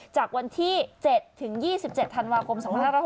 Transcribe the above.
จากวันที่๗๒๗ธันวาคม๒๑๖๑